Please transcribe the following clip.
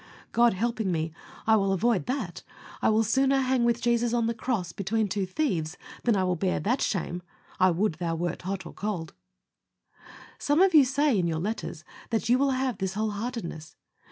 God helping me, I will avoid that I will sooner hang with Jesus on the cross, between two thieves, than I will bear that shame. "I would thou wert cold or hot!" Some of you say, in your letters, that you will have this whole heartedness.